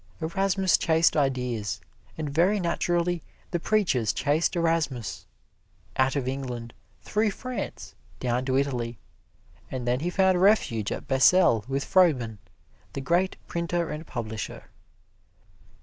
Erasmus chased ideas, and very naturally the preachers chased Erasmus out of England, through France, down to Italy and then he found refuge at Basel with Froben, the great Printer and Publisher.